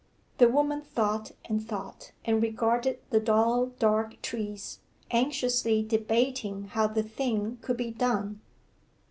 The woman thought and thought, and regarded the dull dark trees, anxiously debating how the thing could be done.